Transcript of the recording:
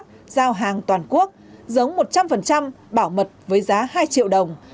các loại giấy tờ khác giao hàng toàn quốc giống một trăm linh bảo mật với giá hai triệu đồng